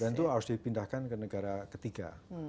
tapi mereka harus dipindahkan ke negara ketiga